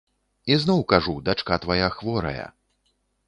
І зноў кажу, дачка твая хворая.